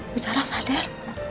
bu sarah sadar